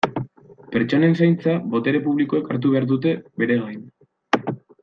Pertsonen zaintza botere publikoek hartu behar dute bere gain.